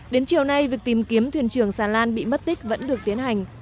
đến chiều nay việc tìm kiếm thuyền trường xà lan bị mất tích vẫn được tiến hành